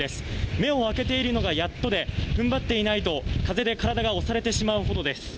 目を開けているのがやっとで、踏ん張っていないと風で体が押されてしまうほどです。